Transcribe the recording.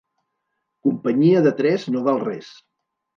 Companyia de tres no val res.